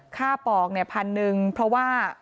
ค่าปอก๑๐๐๐เพราะว่า